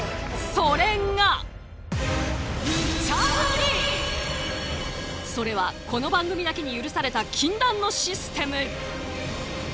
それがそれはこの番組だけに許された禁断のシステム。